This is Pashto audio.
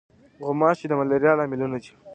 غوماشې د ملاریا له لاملونو دي.